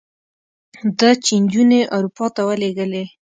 ده چې نجونې اروپا ته ولېږلې.